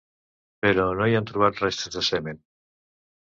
Però no hi han trobat restes de semen.